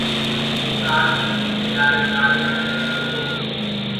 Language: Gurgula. تو ڪآل تيڏي ڪي لآري ڪآلي لگرهيرو تو۔